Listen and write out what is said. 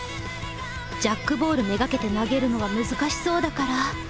ジャックボール目がけて投げるのは難しそうだから転がす！